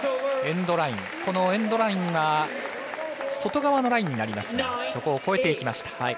エンドラインは外側のラインになりますがそこを越えていきました。